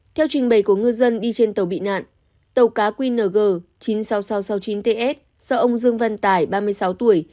theo trình bày của ngư dân đi trên tàu bị nạn tàu cá qng chín mươi sáu nghìn sáu trăm sáu mươi chín ts do ông dương văn tải ba mươi sáu tuổi